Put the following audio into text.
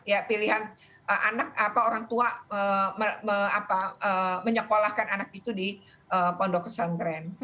ya pilihan anak apa orang tua menyekolahkan anak itu di pondok pesantren